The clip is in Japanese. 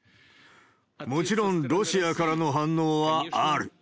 もちろんロシアからの反応はある。